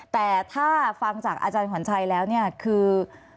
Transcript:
แต่ถ้าฟังจากอาจารย์ขวัญชัยแล้วเนี่ยคือ